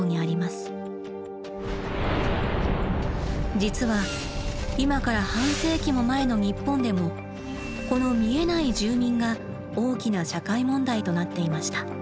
実は今から半世紀も前の日本でもこの「見えない住民」が大きな社会問題となっていました。